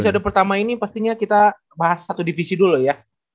periode pertama ini pastinya kita bahas satu divisi dulu ya